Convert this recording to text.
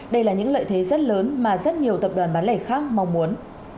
đây là những lợi thế rất lớn mà rất nhiều tập đoàn bán lẻ khác mong muốn